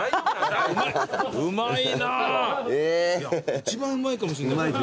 一番うまいかもしれないです。